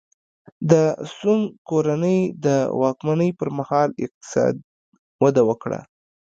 د سونګ کورنۍ د واکمنۍ پرمهال اقتصاد وده وکړه.